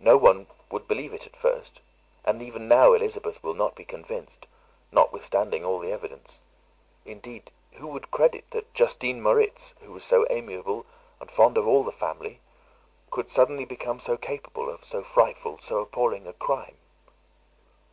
No one would believe it at first; and even now Elizabeth will not be convinced, notwithstanding all the evidence. Indeed, who would credit that Justine Moritz, who was so amiable, and fond of all the family, could suddenly become so capable of so frightful, so appalling a crime?"